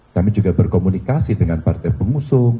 kami juga berkomunikasi dengan partai pengusung